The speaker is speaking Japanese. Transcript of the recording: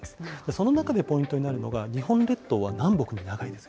その中でポイントになるのが、日本列島は南北に長いです。